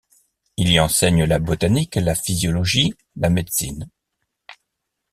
Il y enseigne la botanique, la physiologie, la médecine.